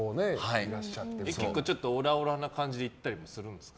結構オラオラな感じでいったりもするんですか。